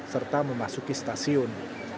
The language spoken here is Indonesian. serta memasuki stasiun